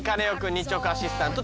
日直アシスタント